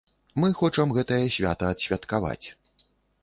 Мы хочам гэтае свята адсвяткаваць.